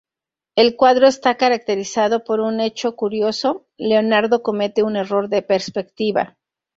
El cuadro está caracterizado por un hecho curioso: Leonardo comete un error de perspectiva.